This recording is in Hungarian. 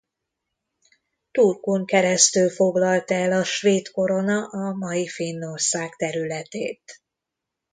Turkun keresztül foglalta el a svéd korona a mai Finnország területét.